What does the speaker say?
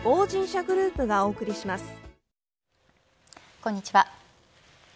こんにちは。